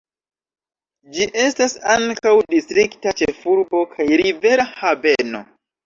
Ĝi estas ankaŭ distrikta ĉefurbo kaj rivera haveno.